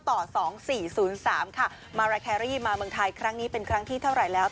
ต่อ๒๔๐๓ค่ะมาราแครี่มาเมืองไทยครั้งนี้เป็นครั้งที่เท่าไหร่แล้ว